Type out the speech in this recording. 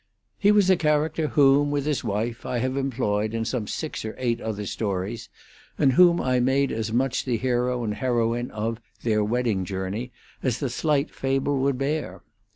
He was a character whom, with his wife, I have employed in some six or eight other stories, and whom I made as much the hero and heroine of 'Their Wedding Journey' as the slight fable would bear.